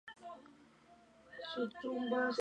Ambos festivales se celebran con un ambiente carnavalesco.